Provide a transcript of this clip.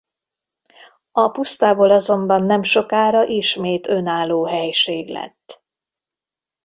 A pusztából azonban nemsokára ismét önálló helység lett.